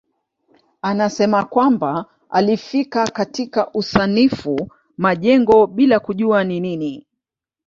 Anasema kwamba alifika katika usanifu majengo bila kujua ni nini.